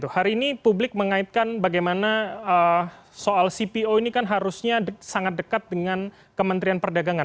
hari ini publik mengaitkan bagaimana soal cpo ini kan harusnya sangat dekat dengan kementerian perdagangan